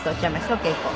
お稽古。